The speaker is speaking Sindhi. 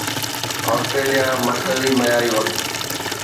آسٽريليا مرڪزي معياري وقت